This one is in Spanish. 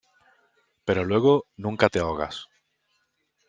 pero luego nunca te ahogas.